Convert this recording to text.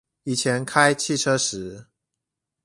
以前開汽車時